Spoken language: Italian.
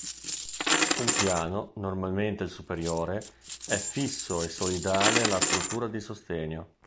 Un piano, normalmente il superiore è fisso e solidale alla struttura di sostegno.